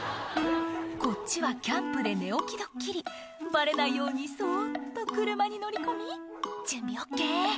こっちはキャンプで寝起きドッキリバレないようにそっと車に乗り込み「準備ＯＫ」